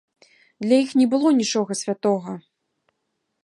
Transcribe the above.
Для іх не было нічога святога.